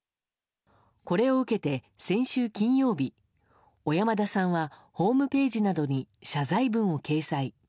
これを受けて先週金曜日小山田さんはホームページなどに謝罪文を掲載。